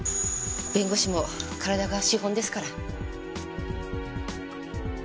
弁護士も体が資本ですから。